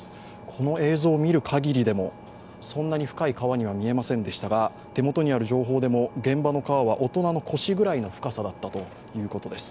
この映像を見るかぎりでも、そんなに深い川には見えませんでしたが手元にある情報でも、現場の川は大人の腰ぐらいの深さだったということです。